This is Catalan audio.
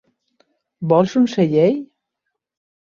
Vols un segell?